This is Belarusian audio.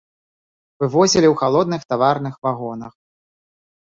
Вывозілі ў халодных таварных вагонах.